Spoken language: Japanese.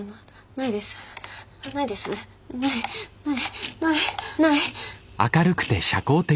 ないないないない。